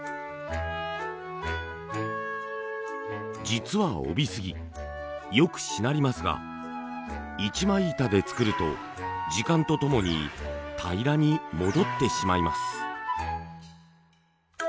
実は飫肥杉よくしなりますが一枚板で作ると時間とともに平らに戻ってしまいます。